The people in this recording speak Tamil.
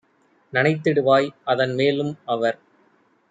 நனைத்திடு வாய்அதன் மேலும் - அவர்